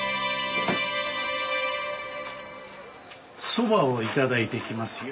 そばを頂いてきますよ。